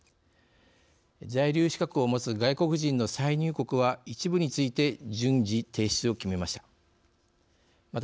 在留資格を持つ外国人の再入国は一部について順次停止を決めました。